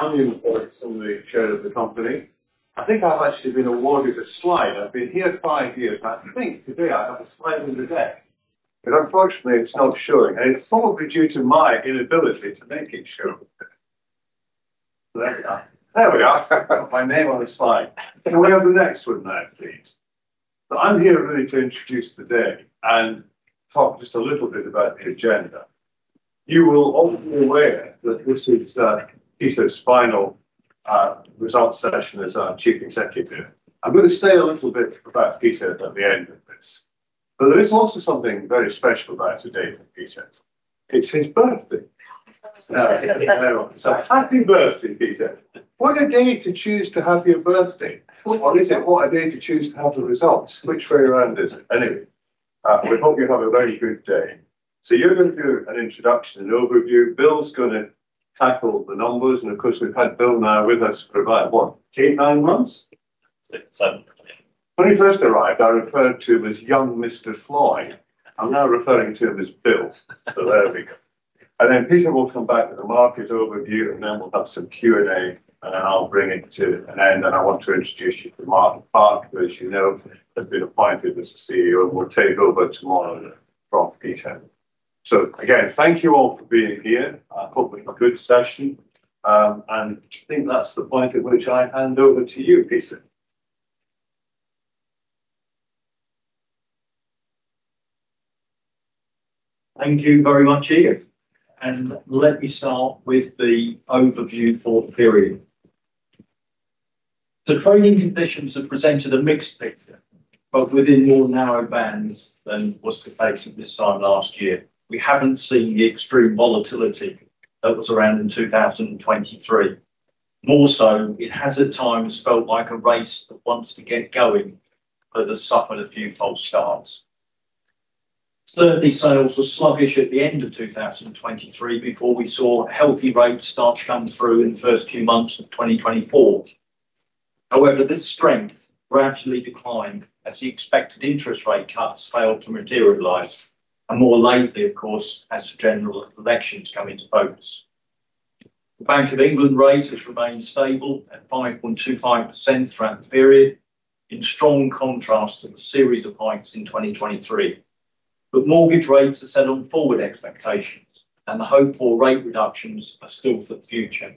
I'm the Non-Executive Chairman of the company. I think I've actually been awarded a slide. I've been here five years, and I think today I have a slide of the day, but unfortunately, it's not showing, and it's probably due to my inability to make it show. There we are. There we are. My name on a slide. Can we have the next one now, please? So I'm here really to introduce the day and talk just a little bit about the agenda. You are all aware that this is Peter's final results session as our Chief Executive. I'm going to say a little bit about Peter at the end of this, but there is also something very special about today for Peter. It's his birthday! So happy birthday, Peter. What a day to choose to have your birthday, or is it what a day to choose to have the results? Which way around is it? Anyway, we hope you have a very good day. So you're going to do an introduction, an overview. Bill's gonna tackle the numbers, and of course, we've had Bill now with us for about, what, eight, nine months? Six, seven, yeah. When he first arrived, I referred to him as young Mr. Floydd. I'm now referring to him as Bill. So there we go. And then Peter will come back with a market overview, and then we'll have some Q&A, and then I'll bring it to an end. Then I want to introduce you to Martyn Clark, who, as you know, has been appointed as the CEO and will take over tomorrow from Peter. So again, thank you all for being here. I hope we have a good session, and I think that's the point at which I hand over to you, Peter. Thank you very much, Ian, and let me start with the overview for the period. The trading conditions have presented a mixed picture, both within more narrow bands than was the case at this time last year. We haven't seen the extreme volatility that was around in 2023. More so, it has at times felt like a race that wants to get going but has suffered a few false starts. Certainly, sales were sluggish at the end of 2023 before we saw healthy rates start to come through in the first few months of 2024. However, this strength gradually declined as the expected interest rate cuts failed to materialize, and more lately, of course, as the general election has come into focus. The Bank of England rate has remained stable at 5.25% throughout the period, in strong contrast to the series of hikes in 2023. But mortgage rates are set on forward expectations, and the hopeful rate reductions are still for the future.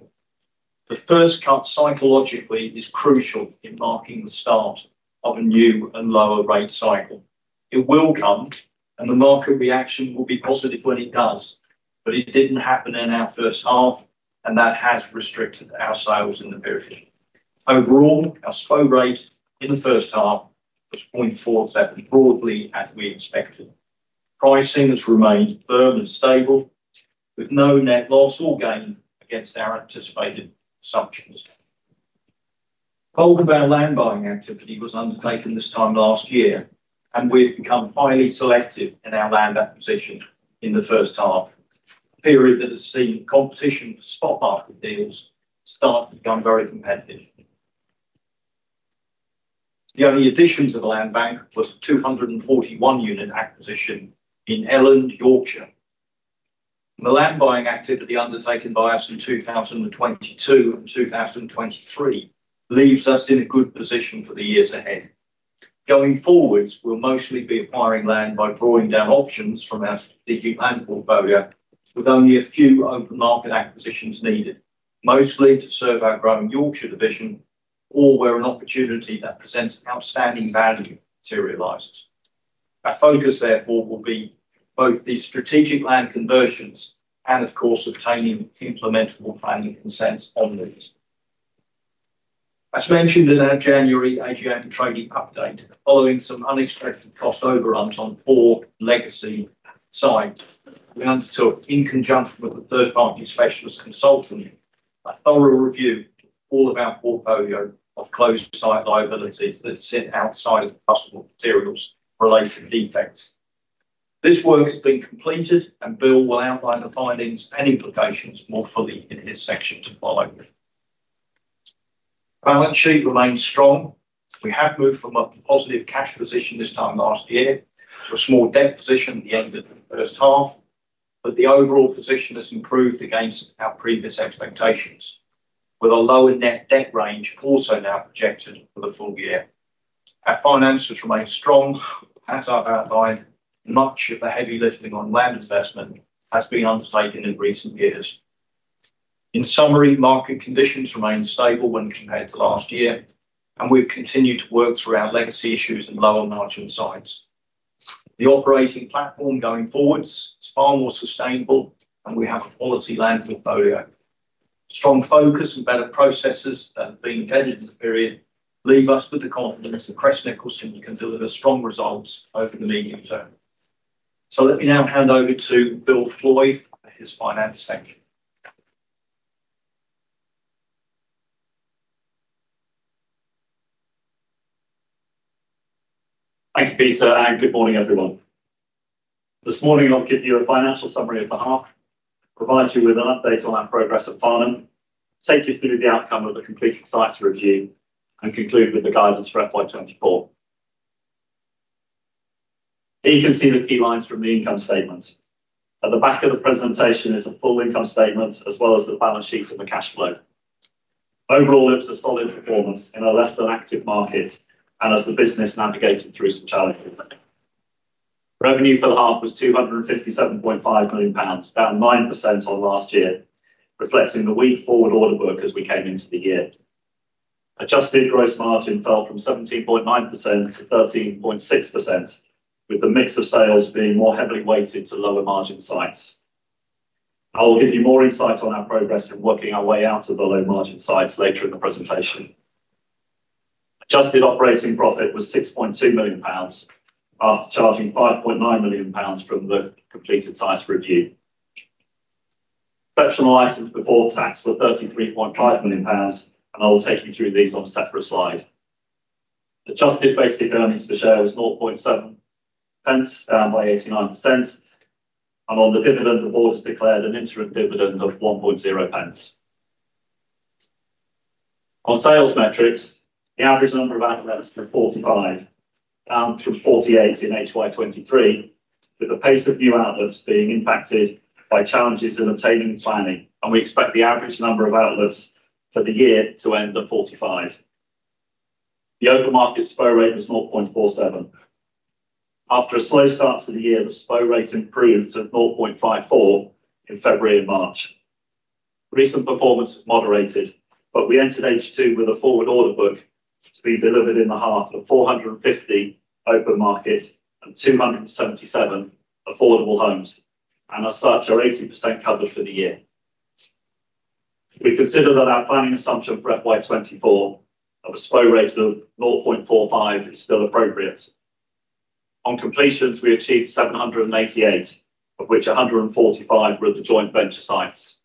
The first cut, psychologically, is crucial in marking the start of a new and lower rate cycle. It will come, and the market reaction will be positive when it does, but it didn't happen in our first half, and that has restricted our sales in the period. Overall, our sales rate in the first half was 0.4, broadly as we expected. Pricing has remained firm and stable, with no net loss or gain against our anticipated assumptions. A bold land buying activity was undertaken this time last year, and we've become highly selective in our land acquisition in the first half. A period that has seen competition for spot market deals start to become very competitive. The only addition to the land bank was a 241-unit acquisition in Elland, Yorkshire. The land buying activity undertaken by us in 2022 and 2023 leaves us in a good position for the years ahead. Going forwards, we'll mostly be acquiring land by drawing down options from our strategic land portfolio, with only a few open market acquisitions needed, mostly to serve our growing Yorkshire division, or where an opportunity that presents outstanding value materializes. Our focus, therefore, will be both the strategic land conversions and, of course, obtaining implementable planning consents on these. As mentioned in our January AGM trading update, following some unexpected cost overruns on four legacy sites, we undertook, in conjunction with a third party specialist consultant, a thorough review of all of our portfolio of closed site liabilities that sit outside of the possible materials related defects. This work has been completed, and Bill will outline the findings and implications more fully in his section to follow. Balance sheet remains strong. We have moved from a positive cash position this time last year to a small debt position at the end of the first half, but the overall position has improved against our previous expectations, with a lower net debt range also now projected for the full year. Our finances remain strong. As I've outlined, much of the heavy lifting on land investment has been undertaken in recent years. In summary, market conditions remain stable when compared to last year, and we've continued to work through our legacy issues and lower margin sites. The operating platform going forwards is far more sustainable, and we have a quality land portfolio. Strong focus and better processes that have been attended to this period leave us with the confidence that Crest Nicholson can deliver strong results over the medium term. So let me now hand over to Bill Floydd for his finance section. Thank you, Peter, and good morning, everyone. This morning, I'll give you a financial summary of the half, provide you with an update on our progress at Farnham, take you through the outcome of the completed sites review, and conclude with the guidance for FY 2024. Here you can see the key lines from the income statement. At the back of the presentation is a full income statement, as well as the balance sheet and the cash flow. Overall, it was a solid performance in a less than active market and as the business navigated through some challenges. Revenue for the half was 257.5 million pounds, down 9% on last year, reflecting the weak forward order book as we came into the year. Adjusted Gross Margin fell from 17.9%-13.6%, with the mix of sales being more heavily weighted to lower margin sites. I will give you more insight on our progress in working our way out to the low margin sites later in the presentation. Adjusted Operating Profit was 6.2 million pounds, after charging 5.9 million pounds from the completed site review. Exceptional items before tax were 33.5 million pounds, and I will take you through these on a separate slide. Adjusted Basic Earnings Per Share was 0.007, down by 89%. On the dividend, the board has declared an interim dividend of 0.01. On sales metrics, the average number of outlets were 45, down from 48 in HY 2023, with the pace of new outlets being impacted by challenges in obtaining planning, and we expect the average number of outlets for the year to end at 45. The open market SPO rate was 0.47. After a slow start to the year, the SPO rate improved to 0.54 in February and March. Recent performance has moderated, but we entered H2 with a forward order book to be delivered in the half of 450 open market and 277 affordable homes, and as such, are 80% covered for the year. We consider that our planning assumption for FY 2024 of a SPO rate of 0.45 is still appropriate. On completions, we achieved 788, of which 145 were at the joint venture sites.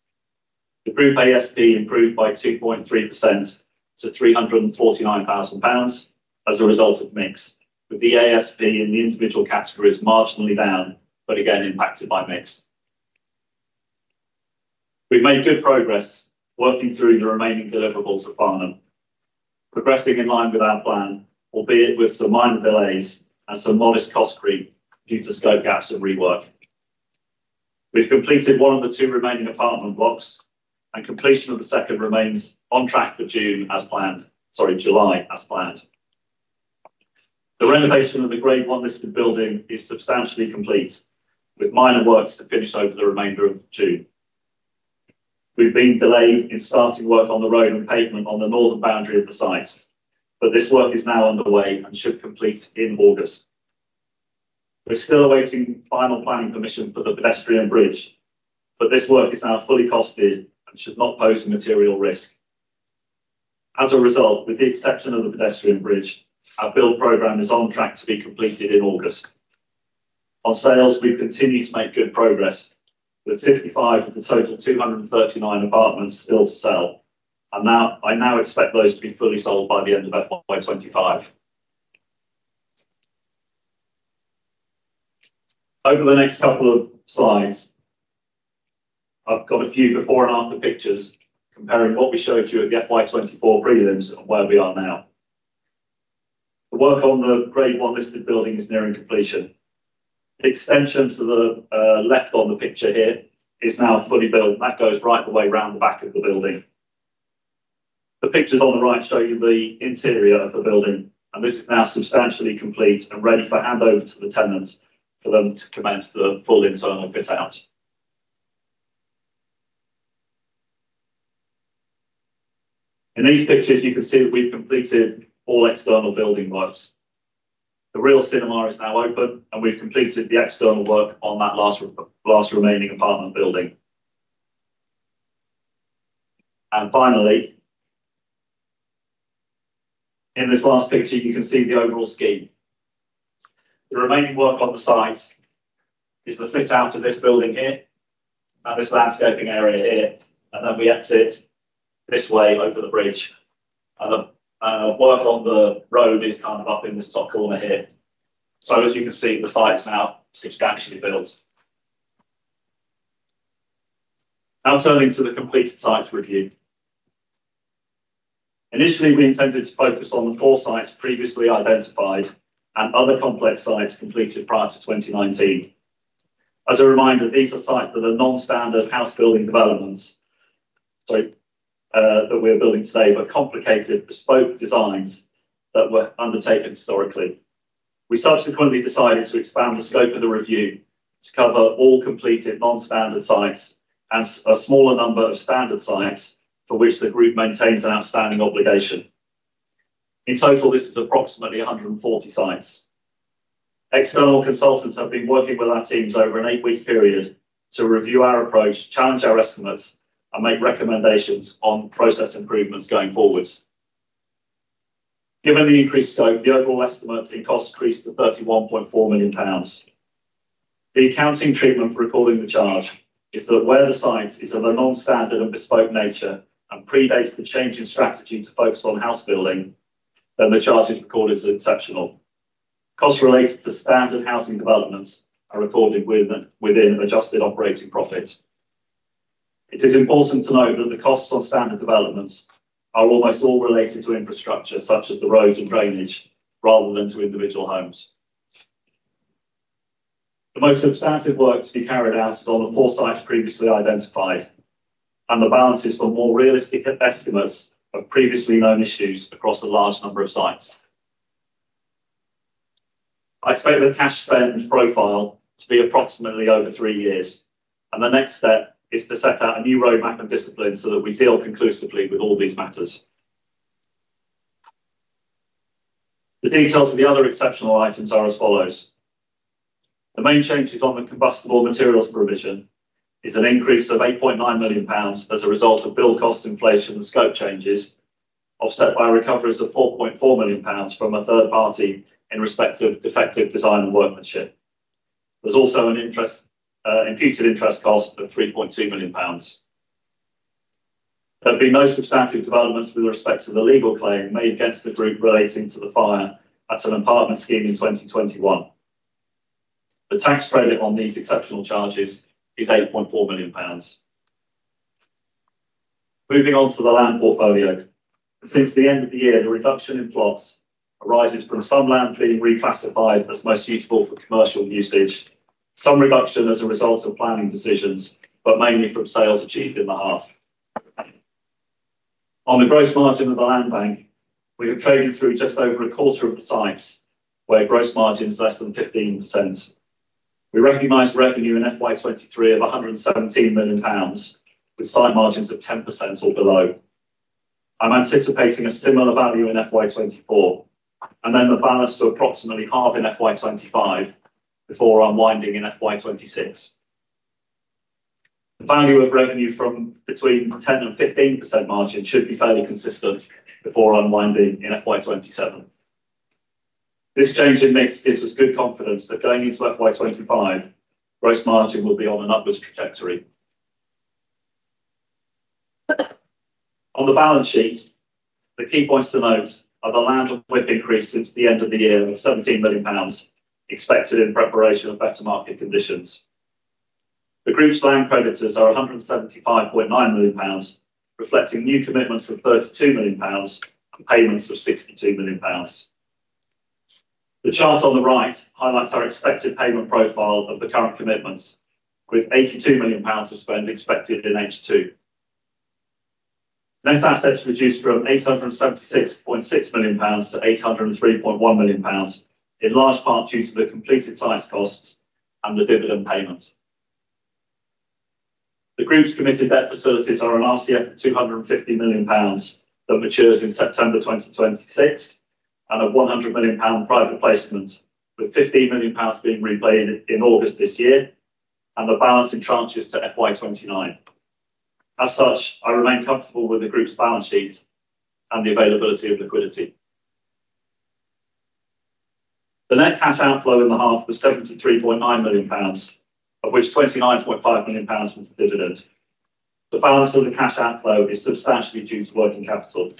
The group ASP improved by 2.3% to 349,000 pounds as a result of mix, with the ASP in the individual categories marginally down, but again impacted by mix. We've made good progress working through the remaining deliverables at Farnham, progressing in line with our plan, albeit with some minor delays and some modest cost creep due to scope gaps and rework. We've completed one of the two remaining apartment blocks, and completion of the second remains on track for June as planned, sorry, July as planned. The renovation of the Grade I listed building is substantially complete, with minor works to finish over the remainder of June. We've been delayed in starting work on the road and pavement on the northern boundary of the site, but this work is now underway and should complete in August. We're still awaiting final planning permission for the pedestrian bridge, but this work is now fully costed and should not pose a material risk. As a result, with the exception of the pedestrian bridge, our build program is on track to be completed in August. On sales, we've continued to make good progress, with 55 of the total 239 apartments still to sell, and now- I now expect those to be fully sold by the end of FY 2025. Over the next couple of slides, I've got a few before and after pictures comparing what we showed you at the FY 2024 prelims and where we are now. The work on the Grade I listed building is nearing completion. The extension to the left on the picture here is now fully built. That goes right the way around the back of the building. The pictures on the right show you the interior of the building, and this is now substantially complete and ready for handover to the tenants for them to commence the full internal fit out. In these pictures, you can see we've completed all external building works. The ReeL Cinema is now open, and we've completed the external work on that last, last remaining apartment building. And finally, in this last picture, you can see the overall scheme. The remaining work on the site is the fit out of this building here and this landscaping area here, and then we exit this way over the bridge. The work on the road is kind of up in this top corner here. As you can see, the site's now substantially built. Now turning to the completed sites review. Initially, we intended to focus on the four sites previously identified and other complex sites completed prior to 2019. As a reminder, these are sites that are non-standard house building developments, sorry, that we are building today, but complicated bespoke designs that were undertaken historically. We subsequently decided to expand the scope of the review to cover all completed non-standard sites and a smaller number of standard sites for which the group maintains an outstanding obligation. In total, this is approximately 140 sites. External consultants have been working with our teams over an 8-week period to review our approach, challenge our estimates, and make recommendations on process improvements going forward. Given the increased scope, the overall estimate increased to 31.4 million pounds. The accounting treatment for recording the charge is that where the site is of a non-standard and bespoke nature and predates the change in strategy to focus on house building, then the charge is recorded as exceptional. Costs related to standard housing developments are recorded within adjusted operating profit. It is important to note that the costs on standard developments are almost all related to infrastructure such as the roads and drainage, rather than to individual homes. The most substantive work to be carried out is on the four sites previously identified, and the balances were more realistic estimates of previously known issues across a large number of sites. I expect the cash spend profile to be approximately over three years, and the next step is to set out a new roadmap and discipline so that we deal conclusively with all these matters. The details of the other exceptional items are as follows: The main changes on the combustible materials provision is an increase of 8.9 million pounds as a result of build cost inflation and scope changes, offset by recoveries of 4.4 million pounds from a third party in respect of defective design and workmanship. There's also an interest, imputed interest cost of 3.2 million pounds. There have been no substantive developments with respect to the legal claim made against the group relating to the fire at an apartment scheme in 2021. The tax credit on these exceptional charges is 8.4 million pounds. Moving on to the land portfolio. Since the end of the year, the reduction in plots arises from some land being reclassified as more suitable for commercial usage, some reduction as a result of planning decisions, but mainly from sales achieved in the half. On the gross margin of the land bank, we have traded through just over a quarter of the sites where gross margin is less than 15%. We recognize revenue in FY 2023 of GBP 117 million, with site margins of 10% or below. I'm anticipating a similar value in FY 2024, and then the balance to approximately half in FY 2025 before unwinding in FY 2026. The value of revenue from between 10% and 15% margin should be fairly consistent before unwinding in FY 2027. This change in mix gives us good confidence that going into FY25, gross margin will be on an upwards trajectory. On the balance sheet, the key points to note are the land WIP increase since the end of the year of 17 million pounds, expected in preparation of better market conditions. The group's land creditors are 175.9 million pounds, reflecting new commitments of 32 million pounds and payments of 62 million pounds. The chart on the right highlights our expected payment profile of the current commitments, with 82 million pounds of spend expected in H2. Net assets reduced from 876.6 million pounds to 803.1 million pounds, in large part due to the completed site costs and the dividend payments. The group's committed debt facilities are an RCF of 250 million pounds that matures in September 2026, and a 100 million pound private placement, with 50 million pounds being repaid in August this year, and the balance tranches to FY 2029. As such, I remain comfortable with the group's balance sheet and the availability of liquidity. The net cash outflow in the half was 73.9 million pounds, of which 29.5 million pounds was the dividend. The balance of the cash outflow is substantially due to working capital.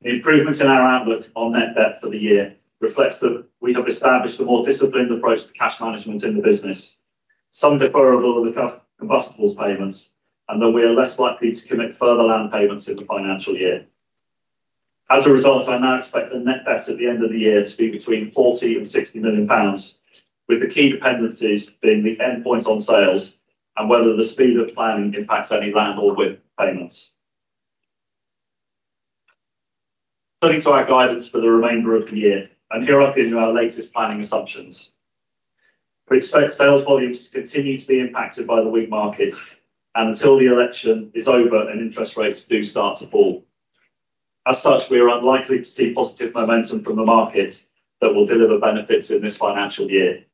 The improvements in our outlook on net debt for the year reflects that we have established a more disciplined approach to cash management in the business, some deferral of the combustibles payments, and that we are less likely to commit further land payments in the financial year. As a result, I now expect the net debt at the end of the year to be between 40 million and 60 million pounds, with the key dependencies being the end point on sales and whether the speed of planning impacts any land or WIP payments. Turning to our guidance for the remainder of the year, and here I give you our latest planning assumptions. We expect sales volumes to continue to be impacted by the weak market and until the election is over and interest rates do start to fall. As such, we are unlikely to see positive momentum from the market that will deliver benefits in this financial year.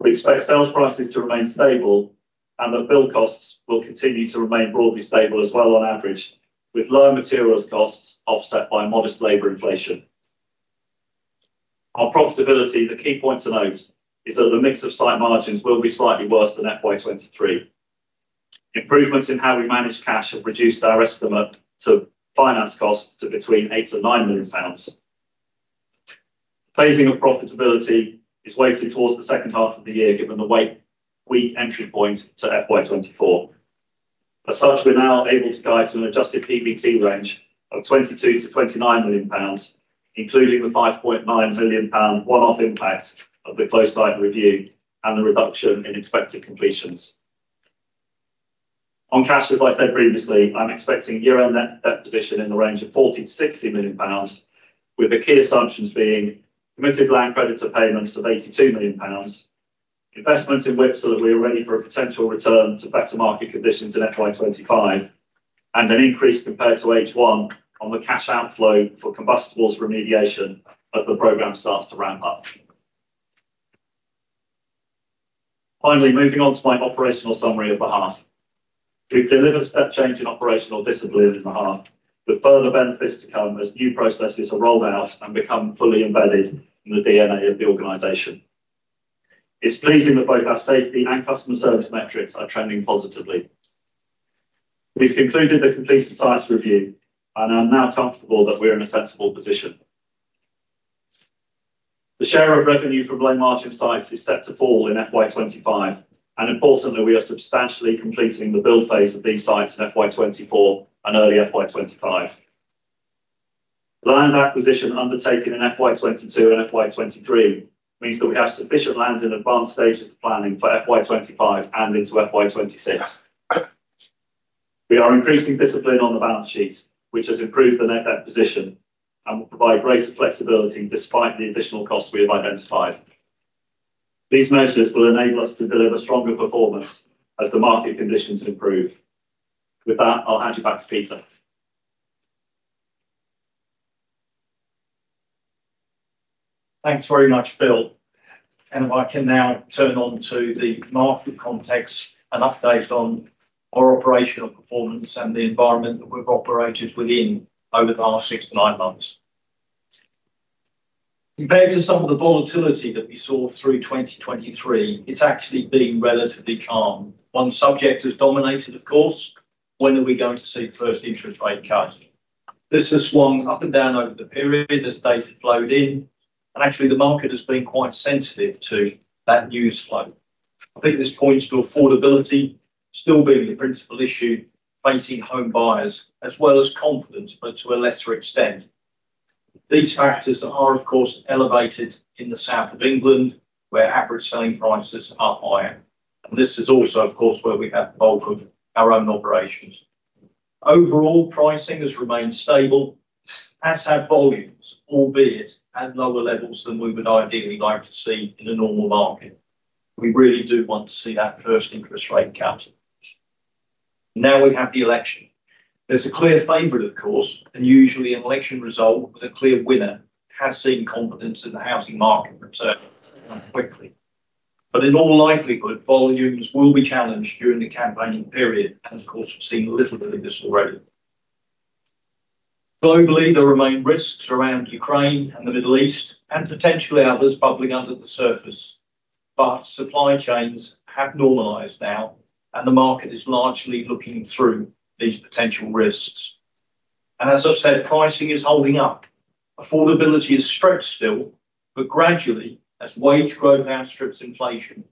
We expect sales prices to remain stable and that build costs will continue to remain broadly stable as well on average, with lower materials costs offset by modest labor inflation. On profitability, the key point to note is that the mix of site margins will be slightly worse than FY 2023. Improvements in how we manage cash have reduced our estimate to finance costs to between 8 million and 9 million pounds. Phasing of profitability is weighted towards the second half of the year, given the weak entry point to FY 2024. As such, we're now able to guide to an adjusted PBT range of 22 million-29 million pounds, including the 5.9 million pound one-off impact of the closed site review and the reduction in expected completions. On cash, as I said previously, I'm expecting year-end net debt position in the range of 40 million-60 million pounds, with the key assumptions being committed land creditor payments of 82 million pounds, investments in WIP so that we are ready for a potential return to better market conditions in FY 2025, and an increase compared to H1 on the cash outflow for combustibles remediation as the program starts to ramp up. Finally, moving on to my operational summary of the half. We've delivered a step change in operational discipline in the half, with further benefits to come as new processes are rolled out and become fully embedded in the DNA of the organization. It's pleasing that both our safety and customer service metrics are trending positively. We've concluded the completed site review and are now comfortable that we're in a sensible position. The share of revenue from low margin sites is set to fall in FY 2025, and importantly, we are substantially completing the build phase of these sites in FY 2024 and early FY 2025. Land acquisition undertaken in FY 2022 and FY 2023 means that we have sufficient land in advanced stages of planning for FY 2025 and into FY 2026. We are increasing discipline on the balance sheet, which has improved the net debt position and will provide greater flexibility despite the additional costs we have identified. These measures will enable us to deliver stronger performance as the market conditions improve. With that, I'll hand you back to Peter. Thanks very much, Bill, and I can now turn on to the market context, an update on our operational performance and the environment that we've operated within over the last six to nine months. Compared to some of the volatility that we saw through 2023, it's actually been relatively calm. One subject has dominated, of course: when are we going to see first interest rate cut? This has swung up and down over the period as data flowed in, and actually the market has been quite sensitive to that news flow. I think this points to affordability still being the principal issue facing home buyers, as well as confidence, but to a lesser extent. These factors are, of course, elevated in the south of England, where average selling prices are higher, and this is also, of course, where we have the bulk of our own operations. Overall, pricing has remained stable, as have volumes, albeit at lower levels than we would ideally like to see in a normal market. We really do want to see that first interest rate cut. Now we have the election. There's a clear favorite, of course, and usually an election result with a clear winner has seen confidence in the housing market return quickly. But in all likelihood, volumes will be challenged during the campaigning period and of course, we've seen a little bit of this already. Globally, there remain risks around Ukraine and the Middle East and potentially others bubbling under the surface, but supply chains have normalized now, and the market is largely looking through these potential risks. As I've said, pricing is holding up. Affordability is stretched still, but gradually, as wage growth outstrips inflation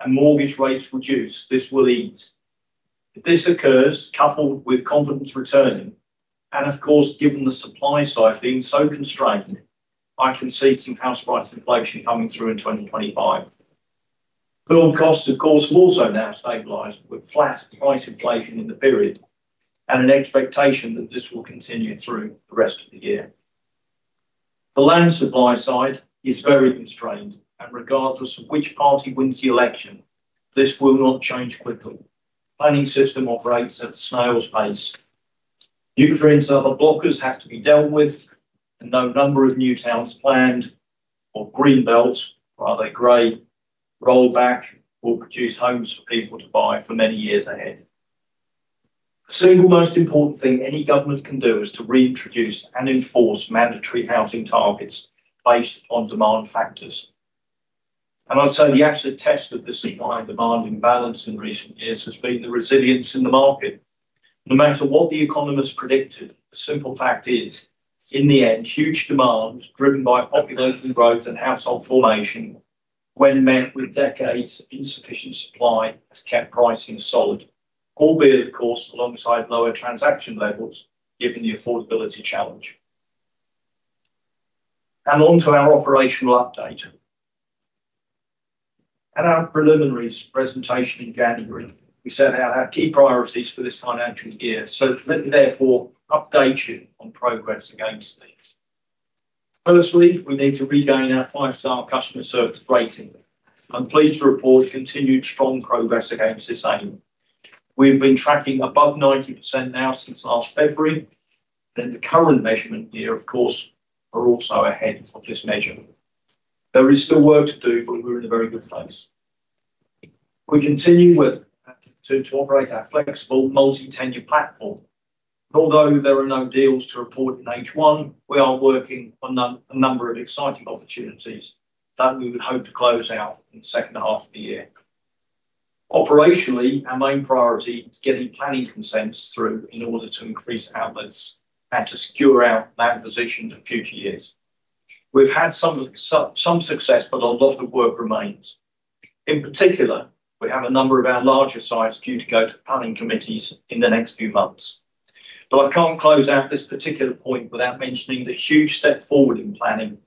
and mortgage rates reduce, this will ease. If this occurs, coupled with confidence returning, and of course, given the supply side being so constrained, I can see some house price inflation coming through in 2025. Build costs, of course, have also now stabilized, with flat price inflation in the period and an expectation that this will continue through the rest of the year. The land supply side is very constrained, and regardless of which party wins the election, this will not change quickly. Planning system operates at a snail's pace. Nutrient neutrality and other blockers have to be dealt with, and no number of new towns planned or Green Belt, while they're great, rolled back, will produce homes for people to buy for many years ahead. The single most important thing any government can do is to reintroduce and enforce mandatory housing targets based on demand factors. I'd say the actual test of the supply and demand imbalance in recent years has been the resilience in the market. No matter what the economists predicted, the simple fact is, in the end, huge demand, driven by population growth and household formation, when met with decades of insufficient supply, has kept pricing solid, albeit of course, alongside lower transaction levels, given the affordability challenge. On to our operational update. At our preliminaries presentation in January, we set out our key priorities for this financial year, so let me therefore update you on progress against these. Firstly, we need to regain our five-star customer service rating. I'm pleased to report continued strong progress against this item. We've been tracking above 90% now since last February, and the current measurement year, of course, are also ahead of this measure. There is still work to do, but we're in a very good place. We continue to operate our flexible multi-tenure platform. Although there are no deals to report in H1, we are working on a number of exciting opportunities that we would hope to close out in the second half of the year. Operationally, our main priority is getting planning consents through in order to increase outlets and to secure our land position for future years. We've had some success, but a lot of work remains. In particular, we have a number of our larger sites due to go to planning committees in the next few months. But I can't close out this particular point without mentioning the huge step forward in planning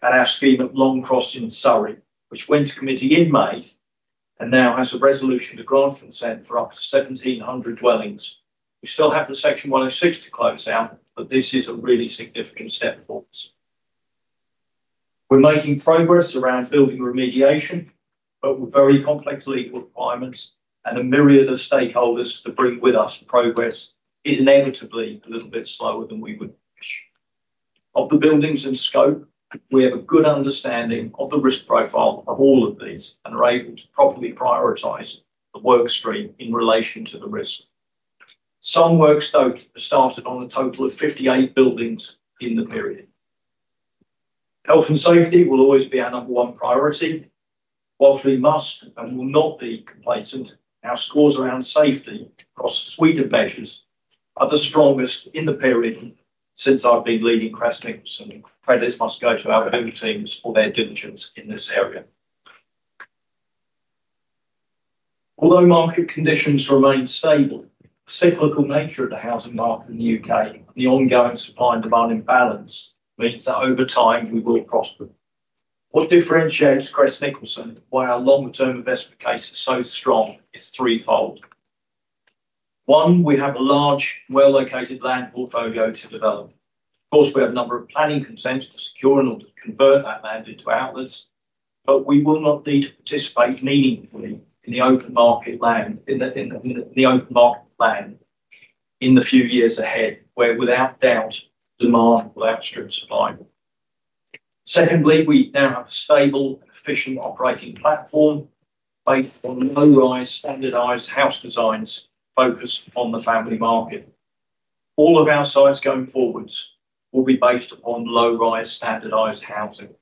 at our scheme at Longcross in Surrey, which went to committee in May and now has a resolution to grant consent for up to 1,700 dwellings. We still have the Section 106 to close out, but this is a really significant step forward. We're making progress around building remediation, but with very complex legal requirements and a myriad of stakeholders to bring with us, progress is inevitably a little bit slower than we would wish. Of the buildings in scope, we have a good understanding of the risk profile of all of these and are able to properly prioritize the work stream in relation to the risk. Some work started on a total of 58 buildings in the period. Health and safety will always be our number one priority. While we must and will not be complacent, our scores around safety across a suite of measures are the strongest in the period since I've been leading Crest Nicholson. And credits must go to our home teams for their diligence in this area. Although market conditions remain stable, the cyclical nature of the housing market in the U.K. and the ongoing supply and demand imbalance means that over time we will prosper. What differentiates Crest Nicholson and why our long-term investment case is so strong is threefold. One, we have a large, well-located land portfolio to develop. Of course, we have a number of planning consents to secure in order to convert that land into outlets, but we will not need to participate meaningfully in the open market land in the few years ahead, where without doubt, demand will outstrip supply. Secondly, we now have a stable and efficient operating platform based on low-rise, standardized house designs focused on the family market. All of our sites going forward will be based upon low-rise, standardized housing.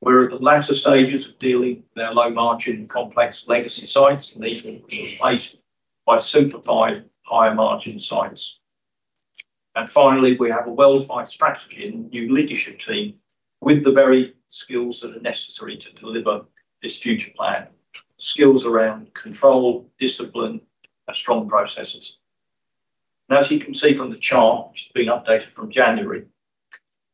We're at the latter stages of dealing with our low margin complex legacy sites, and these will be replaced by simplified higher margin sites. Finally, we have a well-defined strategy and new leadership team with the very skills that are necessary to deliver this future plan. Skills around control, discipline, and strong processes. As you can see from the chart, which has been updated from January,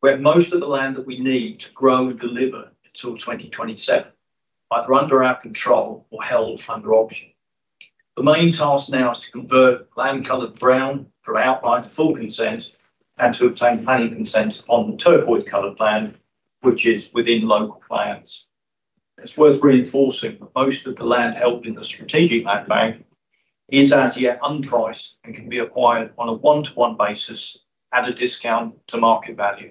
we have most of the land that we need to grow and deliver until 2027, either under our control or held under option. The main task now is to convert land colored brown from outline to full consent, and to obtain planning consent on the turquoise colored land, which is within local plans. It's worth reinforcing that most of the land held in the strategic land bank is as yet unpriced, and can be acquired on a one-to-one basis at a discount to market value.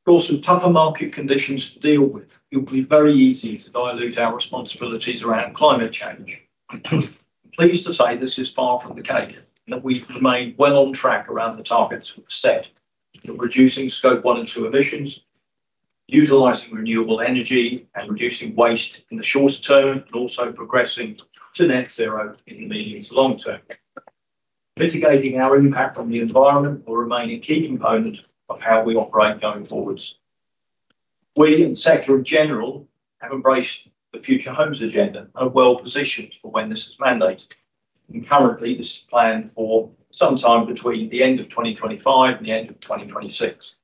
Of course, with tougher market conditions to deal with, it would be very easy to dilute our responsibilities around climate change. I'm pleased to say this is far from the case, and that we've remained well on track around the targets we've set. In reducing Scope 1 and 2 emissions, utilizing renewable energy, and reducing waste in the shorter term, and also progressing to Net Zero in the medium to long term. Mitigating our impact on the environment will remain a key component of how we operate going forward. We, in the sector in general, have embraced the Future Homes Standard and are well positioned for when this is mandated, and currently this is planned for sometime between the end of 2025 and the end of 2026.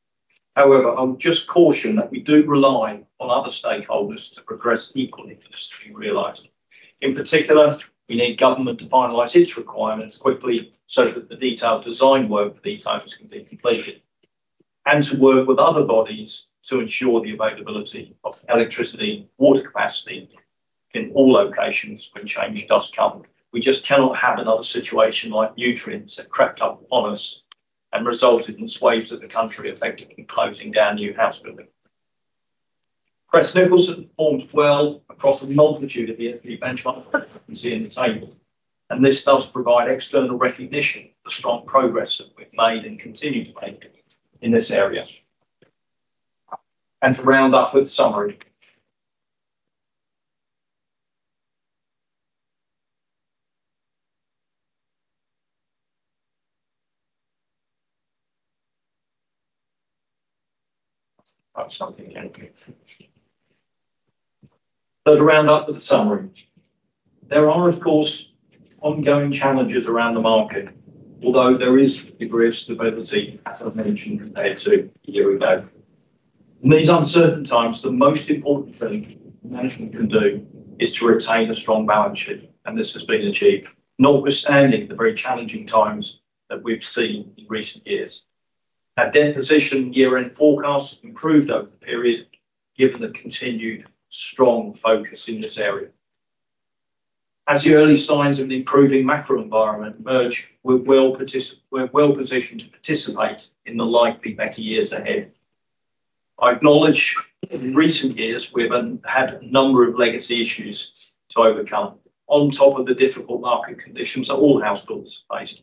However, I would just caution that we do rely on other stakeholders to progress equally for this to be realized. In particular, we need government to finalize its requirements quickly, so that the detailed design work for these homes can be completed, and to work with other bodies to ensure the availability of electricity and water capacity in all locations when change does come. We just cannot have another situation like nutrients that crept up on us and resulted in swaths of the country effectively closing down new house building. Crest Nicholson performed well across a multitude of the SP benchmarks you can see in the table, and this does provide external recognition for the strong progress that we've made and continue to make in this area. So to round up with the summary, there are, of course, ongoing challenges around the market, although there is degrees of stability, as I mentioned, compared to a year ago. In these uncertain times, the most important thing management can do is to retain a strong balance sheet, and this has been achieved, notwithstanding the very challenging times that we've seen in recent years. Our debt position year-end forecasts have improved over the period, given the continued strong focus in this area. As the early signs of the improving macro environment emerge, we're well positioned to participate in the likely better years ahead. I acknowledge in recent years we've had a number of legacy issues to overcome on top of the difficult market conditions that all house builders faced.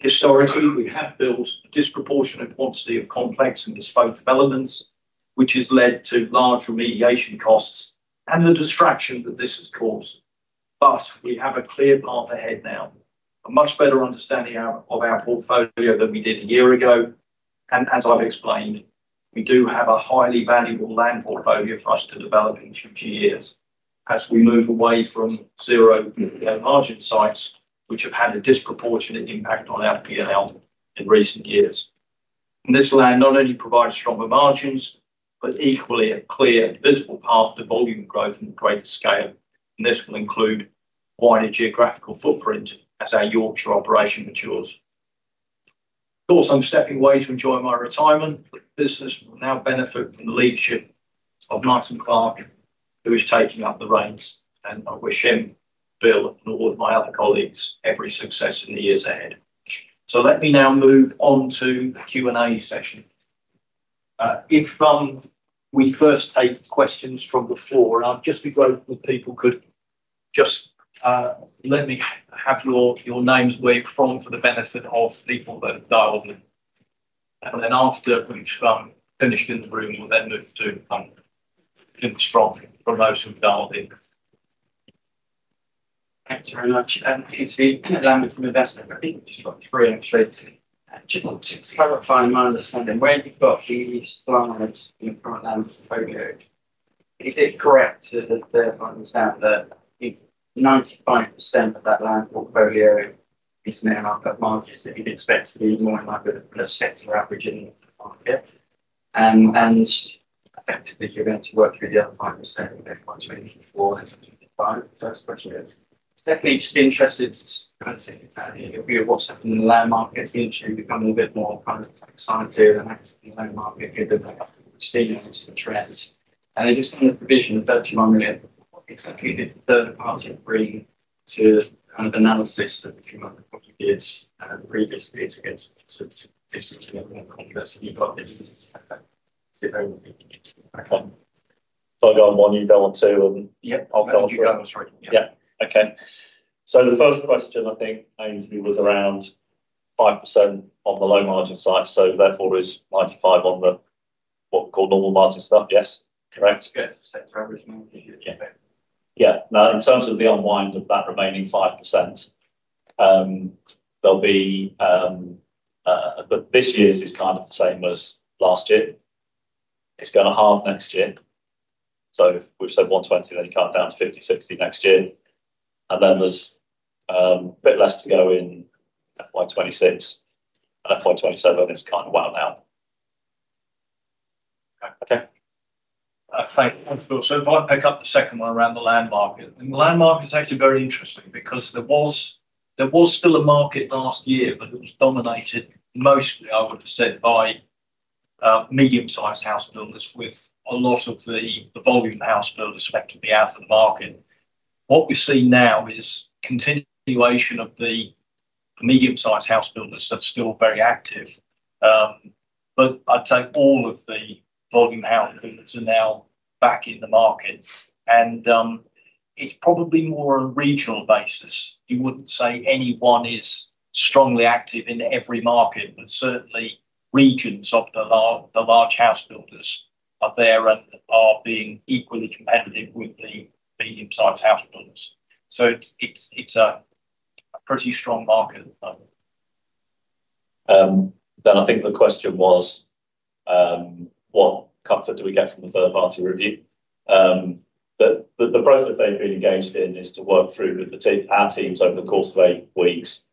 Historically, we have built a disproportionate quantity of complex and bespoke developments, which has led to large remediation costs and the distraction that this has caused. Thus, we have a clear path ahead now, a much better understanding of our, of our portfolio than we did a year ago, and as I've explained, we do have a highly valuable land portfolio for us to develop in future years as we move away from zero margin sites, which have had a disproportionate impact on our P&L in recent years. This land not only provides stronger margins, but equally a clear and visible path to volume growth on a greater scale, and this will include wider geographical footprint as our Yorkshire operation matures. Of course, I'm stepping away to enjoy my retirement. The business will now benefit from the leadership of Martyn Clark, who is taking up the reins, and I wish him, Bill, and all of my other colleagues, every success in the years ahead. Let me now move on to the Q&A session. If we first take questions from the floor, and I'd just be grateful if people could-... Just, let me have your names where you're from, for the benefit of people that have dialed in. And then after we've finished in the room, we'll then move to people from remote dialing. Thank you very much. It's Ian Lambert from Investment, I think just got three actually. Just to clarify my understanding, where you've got these slides in front of portfolio, is it correct to understand that if 95% of that land portfolio is met up at margins, that you'd expect to be more in line with the sector average in the market? And effectively you're going to work through the other 5% by 2024. That's the question. Definitely just interested to kind of see your view of what's happening in the land markets, literally becoming a bit more kind of excited and land market trends. And I just kind of provision the 31 million, exactly the third party agree to kind of analysis of a few months, probably years and previous years against more complex. Okay. So I'll go on one, you go on two, and- Yeah, I'll go. Sure. Yeah. Okay. So the first question I think aimed at me was around 5% on the low margin site, so therefore, is 95% on the what we call normal margin stuff. Yes, correct? Yeah, sector average. Yeah. Now, in terms of the unwind of that remaining 5%, there'll be but this year's is kind of the same as last year. It's gonna half next year, so we've said 120, then you cut down to 50-60 next year, and then there's a bit less to go in FY 2026 and FY 2027, it's kind of well now. Okay. Thank you. So if I pick up the second one around the land market, and the land market is actually very interesting because there was still a market last year, but it was dominated mostly, I would have said, by medium-sized house builders, with a lot of the volume house builders effectively out of the market. What we see now is continuation of the medium-sized house builders that's still very active. But I'd say all of the volume house builders are now back in the market, and it's probably more a regional basis. You wouldn't say anyone is strongly active in every market, but certainly regions of the large house builders are there and are being equally competitive with the medium-sized house builders. So it's a pretty strong market at the moment. Then I think the question was, what comfort do we get from the third-party review? The process they've been engaged in is to work through with the team, our teams over the course of eight weeks,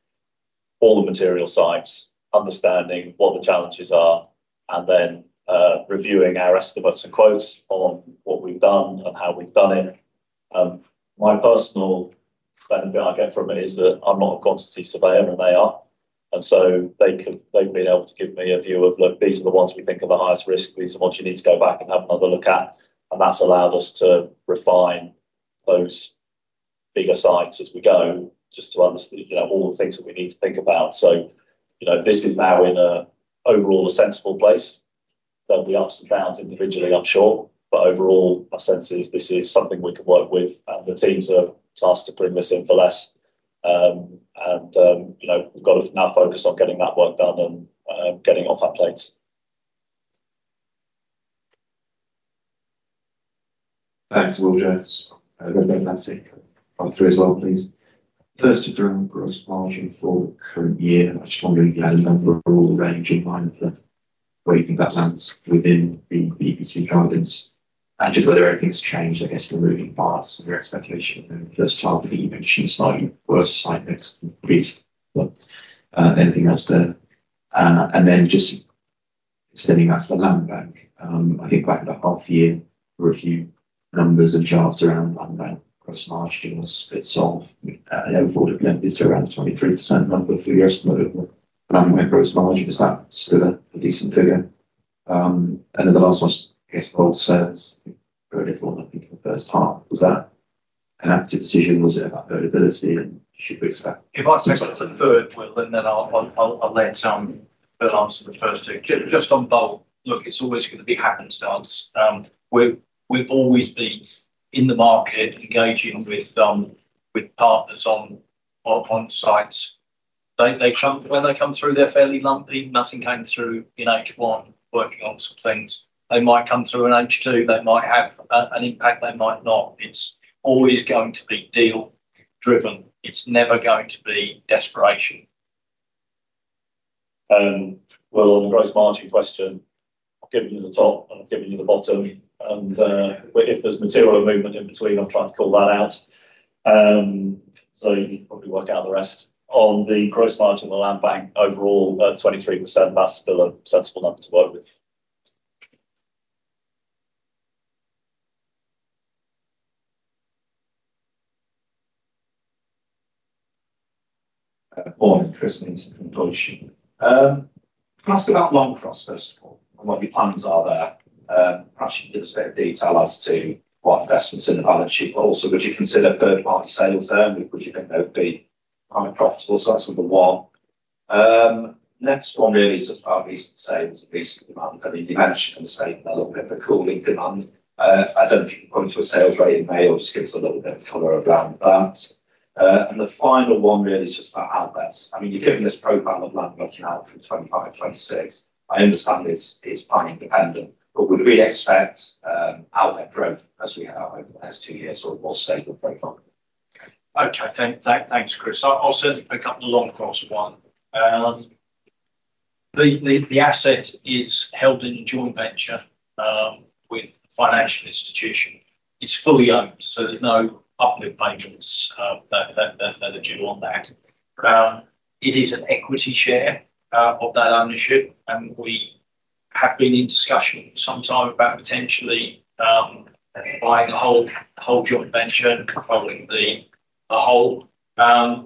all the material sites, understanding what the challenges are, and then, reviewing our estimates and quotes on what we've done and how we've done it. My personal benefit I get from it is that I'm not a quantity surveyor, and they are. And so they can, they've been able to give me a view of, look, these are the ones we think are the highest risk. These are the ones you need to go back and have another look at, and that's allowed us to refine those bigger sites as we go, just to understand, you know, all the things that we need to think about. So, you know, this is now in a overall a sensible place. There'll be ups and downs individually, I'm sure, but overall, my sense is this is something we can work with, and the teams are tasked to bring this in for less. You know, we've got to now focus on getting that work done and getting off our plates. Thanks, Will. Just let's take three as well, please. First off, the gross margin for the current year, I'm just wondering if you had an overall range in mind of where you think that lands within the EPC guidance and just whether anything's changed, I guess, the moving parts and your expectation. In the first half that you mentioned, slightly worse site mix than previous. Anything else there? And then just extending that to the land bank. I think back at the half year review, numbers and charts around land bank gross margin was a bit soft and overall it's around 23%. And I've got three years gross margin. Is that still a decent figure? And then the last one, I guess, bulk sales, very little, I think, in the first half. Was that an active decision? Was it about affordability, and should we expect- If I take the third one, and then I'll let Phil answer the first two. Just on bold, look, it's always going to be happenstance. We've always been in the market engaging with partners on sites. When they come through, they're fairly lumpy. Nothing came through in H1, working on some things. They might come through in H2, they might have an impact; they might not. It's always going to be deal driven. It's never going to be desperation. Well, on the gross margin question, I've given you the top, and I've given you the bottom, and if there's material movement in between, I'm trying to call that out. So you can probably work out the rest. On the gross margin of the land bank, overall, 23%, that's still a sensible number to work with. On Christmas Millington. Can I ask about Longcross, first of all, and what your plans are there? Perhaps you can give us a bit of detail as to what investments in the balance sheet, but also, would you consider third-party sales there, which you think might be quite profitable? So that's number one. Next one really is just about recent sales, recent demand. I mean, you mentioned in the statement a little bit, the cooling demand. I don't know if you can point to a sales rate in May or just give us a little bit of color around that. And the final one really is just about outlets. I mean, you've given this program of land working out for 2025, 2026. I understand it's, it's party independent, but would we expect outlet growth as we have over the last two years or a more stable platform? Okay. Thank, thank, thanks, Chris. I'll certainly pick up the Longcross one. The asset is held in a joint venture with a financial institution. It's fully owned, so there's no uplift payments that are due on that. It is an equity share of that ownership, and we have been in discussion for some time about potentially buying the whole joint venture and controlling the whole. I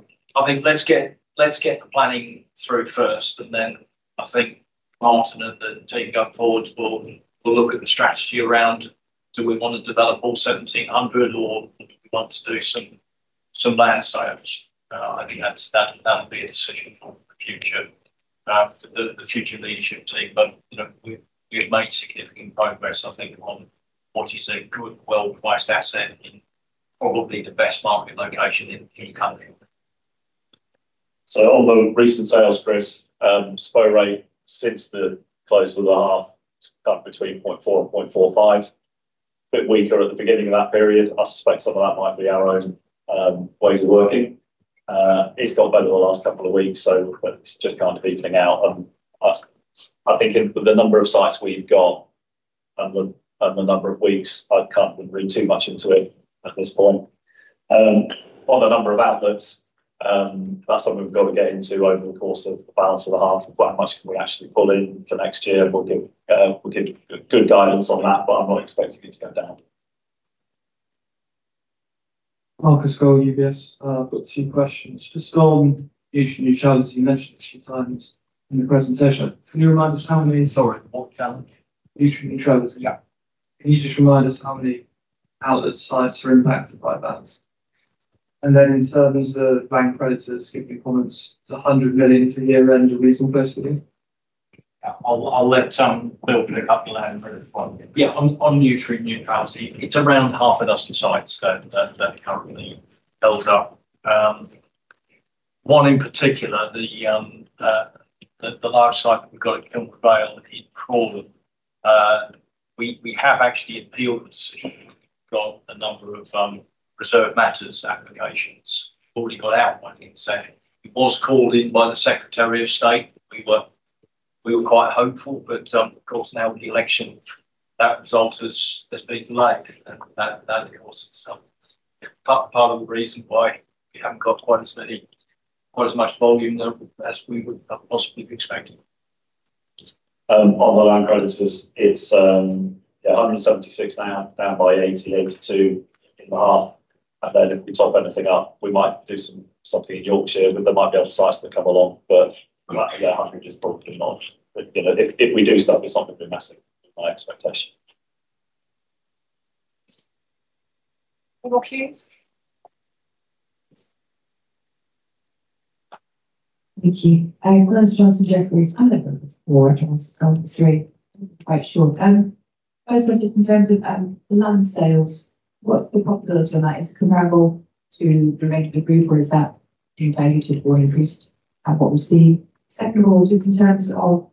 think let's get the planning through first, and then I think Martyn and the team going forward will look at the strategy around, do we want to develop all 1,700, or do we want to do some land sales? I think that'll be a decision for the future for the future leadership team. But, you know, we've made significant progress, I think, on what is a good, well-placed asset in probably the best market location in the country. So on the recent sales, Chris, SPO rate since the close of the half, it's gone between 0.4 and 0.45. Bit weaker at the beginning of that period. I suspect some of that might be our own ways of working. It's got better the last couple of weeks, so but it's just kind of evening out, and I think with the number of sites we've got and the number of weeks, I can't read too much into it at this point. On the number of outlets, that's something we've got to get into over the course of the balance of the half. Quite much can we actually pull in for next year? We'll give, we'll give good guidance on that, but I'm not expecting it to go down. Marcus Cole, UBS. I've got two questions. Just on the nutrient neutrality, you mentioned a few times in the presentation. Can you remind us how many... Sorry, what challenge? Nutrient neutrality. Yeah. Can you just remind us how many outlet sites are impacted by that? And then in terms of land creditors, skip your comments to 100 million for the year-end of recent, personally? I'll let Bill pick up the land creditor one. Yeah, on nutrient neutrality, it's around half a dozen sites that are currently held up. One in particular, the large site we've got at Kilnwood Vale in Crawley. We have actually appealed the decision, got a number of reserved matters applications. Already got out one in second. It was called in by the Secretary of State. We were quite hopeful, but of course, now with the election, that result has been delayed, and that is also part of the reason why we haven't got quite as many, quite as much volume as we would possibly have expected. On the land creditors, it's yeah, 176, down by 82 in the half. And then if we top anything up, we might do something in Yorkshire, but there might be other sites that come along. But yeah, 100 is probably launched. But, you know, if we do stuff, it's not going to be massive, in my expectation. Paul Hughes. Thank you. Glynis Johnson, Jefferies. I have four questions. I'm not quite sure. First, just in terms of the land sales, what's the profitability on that? Is it comparable to the rest of the group, or is that diluted or increased at what we're seeing? Second of all, just in terms of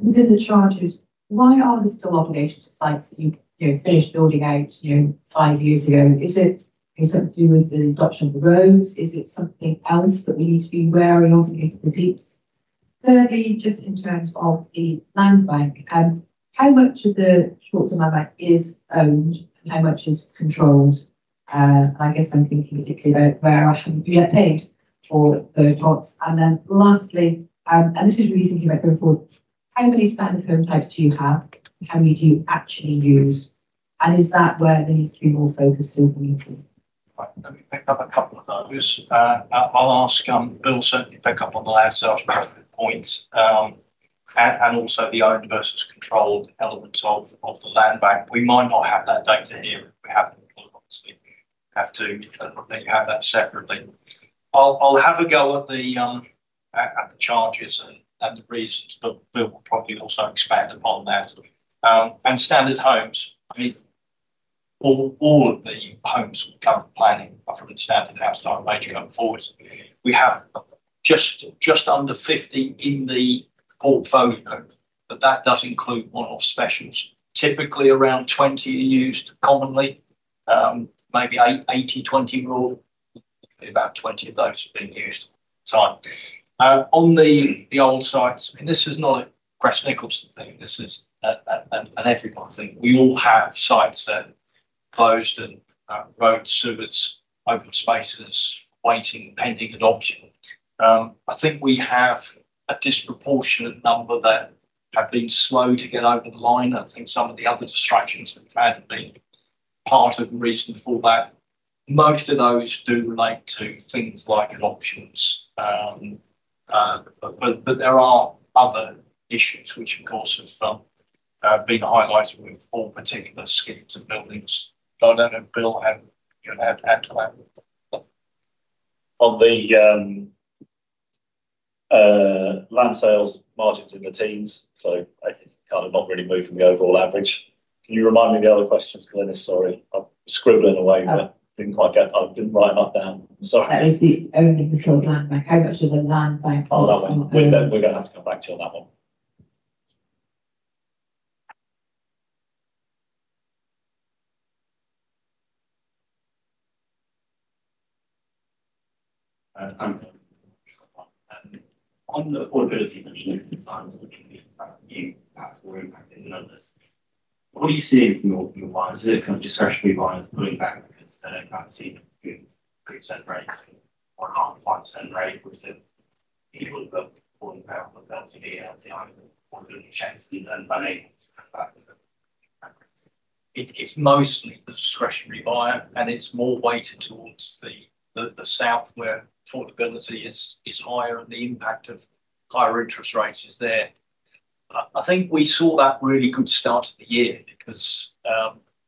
within the charges, why are there still obligations to sites that you, you know, finished building out, you know, five years ago? Is it something to do with the adoption of the roads? Is it something else that we need to be wary of and it repeats? Thirdly, just in terms of the land bank, how much of the short-term land bank is owned, and how much is controlled? I guess I'm thinking particularly about where I haven't yet paid for those plots. And then lastly, and this is really thinking about going forward, how many standard firm types do you have? How many do you actually use, and is that where there needs to be more focus still going to? Right. Let me pick up a couple of those. I'll ask Bill, certainly pick up on the land sales profit points, and also the owned versus controlled elements of the land bank. We might not have that data here. If we have to, obviously, they have that separately. I'll have a go at the charges and the reasons, but Bill will probably also expand upon that. And standard homes, I mean, all of the homes come with planning from a standard house, like major going forward. We have just under 50 in the portfolio, but that does include one-off specials. Typically, around 20 are used commonly, maybe 80/20 rule. About 20 of those have been used. So, on the old sites, I mean, this is not a Crest Nicholson thing. This is an everyone thing. We all have sites that closed and roads, sewers, open spaces, waiting, pending adoption. I think we have a disproportionate number that have been slow to get over the line. I think some of the other distractions have been part of the reason for that. Most of those do relate to things like adoptions. But there are other issues which, of course, have been highlighted with four particular schemes and buildings. I don't know, Bill, have you had to deal with them? On the land sales margins in the teens, so it's kind of not really moved from the overall average. Can you remind me the other questions, Glynis? Sorry. I'm scribbling away but didn't quite get—I didn't write enough down, sorry. That is the only controlled land bank. How much of the land bank- Oh, that one. We're gonna have to come back to you on that one. On the affordability of designs, you perhaps were impacted than others. What are you seeing from your, your buyers? Is it kind of discretionary buyers pulling back because they can't see good percent rates or half a 5% rate? Was it people who got pulling power LTV, LTI, chances to earn money back? It's mostly the discretionary buyer, and it's more weighted towards the south, where affordability is higher, and the impact of higher interest rates is there. I think we saw that really good start to the year because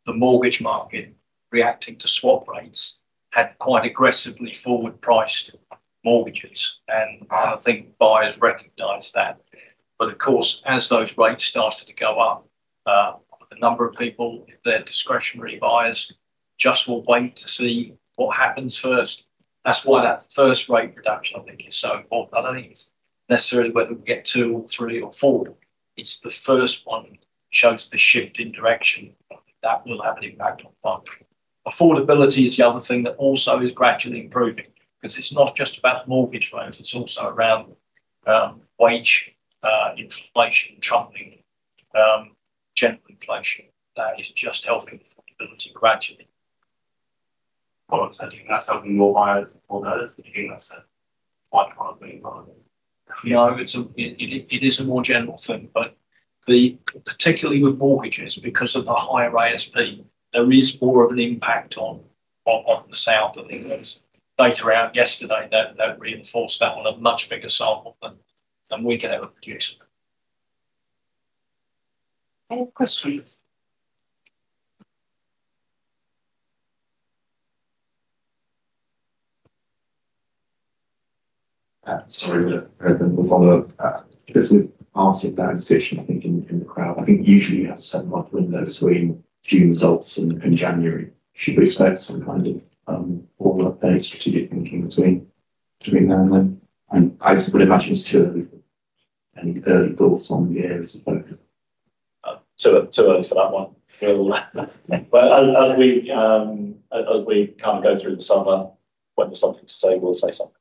the mortgage market reacting to swap rates had quite aggressively forward-priced mortgages, and I think buyers recognized that. But of course, as those rates started to go up, the number of people, if they're discretionary buyers, just will wait to see what happens first. That's why that first rate reduction, I think, is so important. I don't think it's necessarily whether we get two, or three, or four. It's the first one that shows the shift in direction, that will have an impact on the market. Affordability is the other thing that also is gradually improving, 'cause it's not just about mortgage rates, it's also around wage inflation, general inflation that is just helping affordability gradually. Well, do you think that's helping more buyers than others? Do you think that's a quite common environment? No, it's a more general thing, but particularly with mortgages, because of the higher ASP, there is more of an impact on the south than there is. Data out yesterday that reinforced that on a much bigger sample than we could ever produce. Any questions? Sorry, but then we'll follow up. Just we asked that question, I think, in the crowd. I think usually you have a seven-month window between June results and January. Should we expect some kind of follow-up date strategic thinking between now and then? I would imagine it's too early. Any early thoughts on the areas of focus? Too early for that one. Well, as we kind of go through the summer, when there's something to say, we'll say something.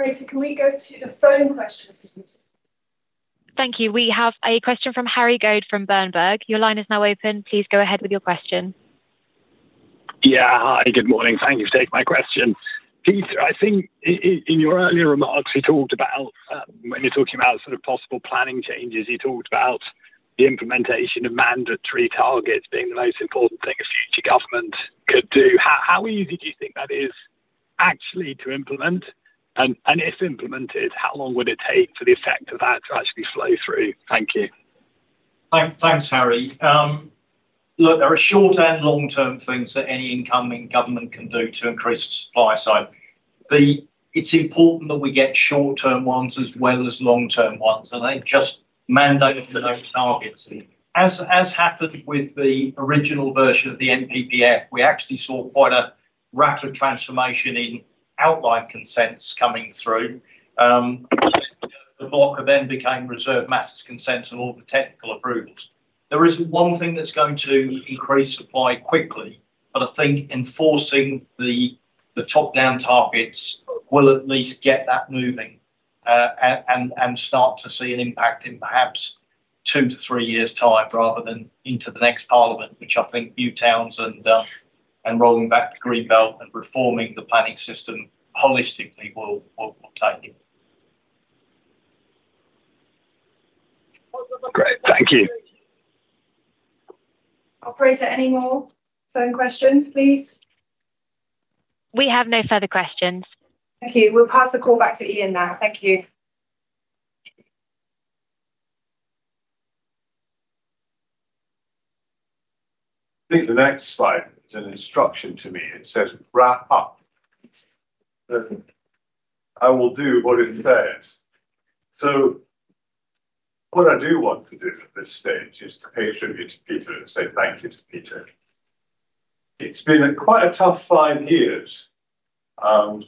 Yeah. Great, can we go to the phone questions, please? Thank you. We have a question from Harry Goad from Berenberg. Your line is now open. Please go ahead with your question. Yeah. Hi, good morning. Thank you for taking my question. Peter, I think in your earlier remarks, you talked about, when you were talking about sort of possible planning changes, you talked about the implementation of mandatory targets being the most important thing a future government could do. How easy do you think that is actually to implement? And if implemented, how long would it take for the effect of that to actually flow through? Thank you. Thanks, Harry. Look, there are short and long-term things that any incoming government can do to increase the supply. So it's important that we get short-term ones as well as long-term ones, and they just mandate those targets. As happened with the original version of the NPPF, we actually saw quite a rapid transformation in outline consents coming through. The blocker then became reserved matters, consents, and all the technical approvals. There isn't one thing that's going to increase supply quickly, but I think enforcing the top-down targets will at least get that moving, and start to see an impact in perhaps two to three years' time, rather than into the next parliament, which I think new towns and rolling back the Green Belt and reforming the planning system holistically will take. Great. Thank you. Operator, any more phone questions, please? We have no further questions. Thank you. We'll pass the call back to Iain now. Thank you. I think the next slide is an instruction to me. It says, "Wrap up." I will do what it says. So what I do want to do at this stage is to pay tribute to Peter and say thank you to Peter. It's been quite a tough five years, and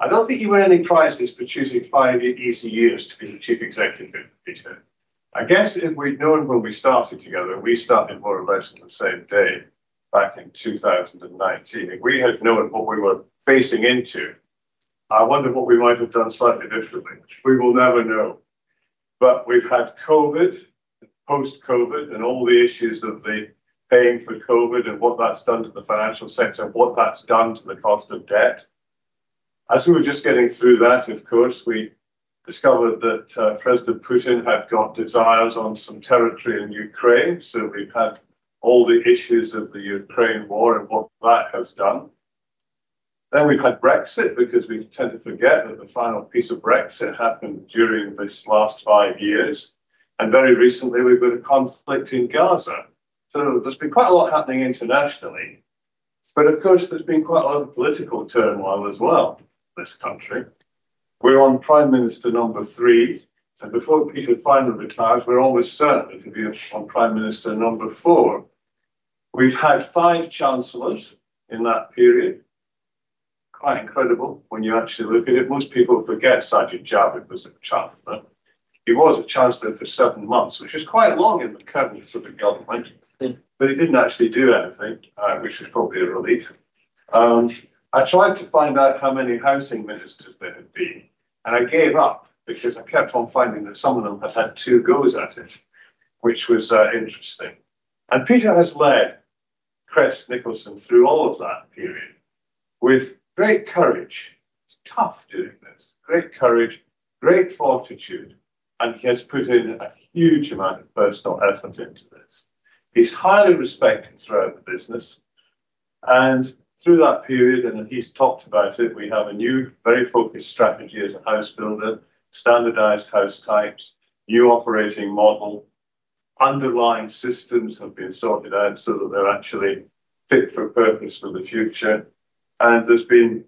I don't think you win any prizes for choosing five easy years to be the Chief Executive, Peter. I guess if we'd known when we started together, we started more or less on the same day, back in 2019, if we had known what we were facing into, I wonder what we might have done slightly differently. We will never know. But we've had COVID, post-COVID, and all the issues of the paying for COVID and what that's done to the financial sector, and what that's done to the cost of debt. As we were just getting through that, of course, we discovered that, President Putin had got desires on some territory in Ukraine, so we've had all the issues of the Ukraine war and what that has done. Then we've had Brexit, because we tend to forget that the final piece of Brexit happened during this last five years, and very recently we've got a conflict in Gaza. So there's been quite a lot happening internationally, but of course, there's been quite a lot of political turmoil as well in this country. We're on Prime Minister number three, and before Peter finally retires, we're almost certain it'll be on Prime Minister number four. We've had five chancellors in that period. Quite incredible when you actually look at it. Most people forget Sajid Javid was a chancellor. He was a chancellor for seven months, which is quite long in the current sort of government, but he didn't actually do anything, which is probably a relief. I tried to find out how many housing ministers there had been, and I gave up because I kept on finding that some of them had had two goes at it, which was interesting. Peter has led Crest Nicholson through all of that period with great courage. It's tough doing this. Great courage, great fortitude, and he has put in a huge amount of personal effort into this. He's highly respected throughout the business, and through that period, and he's talked about it, we have a new, very focused strategy as a house builder, standardized house types, new operating model. Underlying systems have been sorted out so that they're actually fit for purpose for the future, and there's been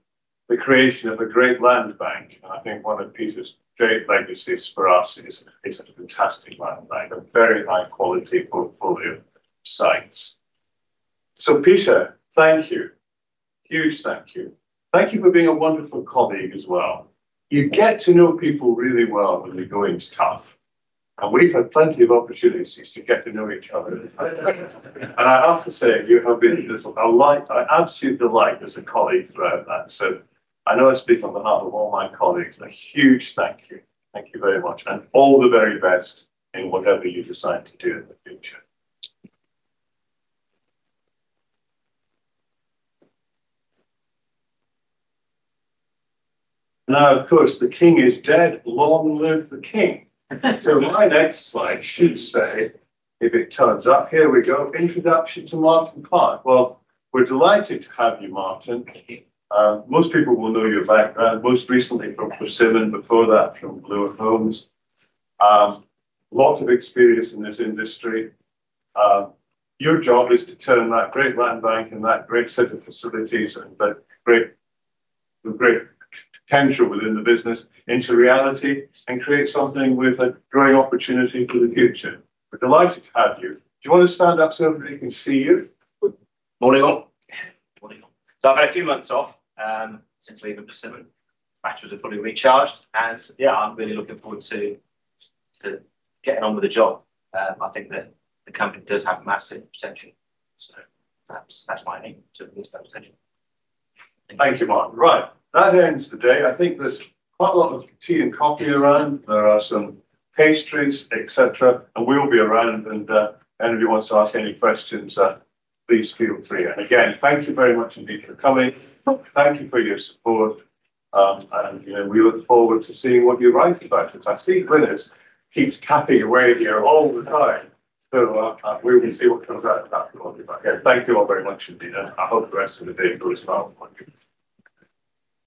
the creation of a great land bank, and I think one of Peter's great legacies for us is a fantastic land bank, a very high quality portfolio of sites. So, Peter, thank you. Huge thank you. Thank you for being a wonderful colleague as well. You get to know people really well when the going's tough, and we've had plenty of opportunities to get to know each other. And I have to say, you have been a light, an absolute light as a colleague throughout that. So I know I speak on behalf of all my colleagues. A huge thank you. Thank you very much, and all the very best in whatever you decide to do in the future. Now, of course, the king is dead. Long live the king! So my next slide should say, if it turns up, here we go. Introduction to Martyn Clark. Well, we're delighted to have you, Martyn. Most people will know your background, most recently from Persimmon, before that, from Bloor Homes. Lots of experience in this industry. Your job is to turn that great land bank and that great set of facilities and the great, the great potential within the business into reality and create something with a great opportunity for the future. We're delighted to have you. Do you want to stand up so everybody can see you? Morning, all. Morning. So I've had a few months off since leaving Persimmon. Batteries are fully recharged and, yeah, I'm really looking forward to getting on with the job. I think that the company does have massive potential, so that's my aim, to release that potential. Thank you, Martyn. Right, that ends the day. I think there's quite a lot of tea and coffee around. There are some pastries, et cetera, and we will be around and anybody wants to ask any questions, please feel free. And again, thank you very much indeed for coming. Thank you for your support. And, you know, we look forward to seeing what you write about it. I see Gwynne keeps tapping away here all the time, so we will see what comes out of that. Thank you all very much indeed, and I hope the rest of the day goes well. Thank you.